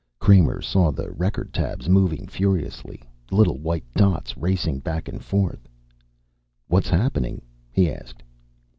Kramer saw the record tabs moving furiously, the little white dots racing back and forth. "What's happening?" he asked.